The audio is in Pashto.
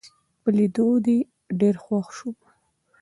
په لیدو دي ډېر خوښ شوم